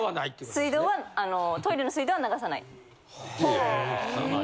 水道はトイレの水道は流さない。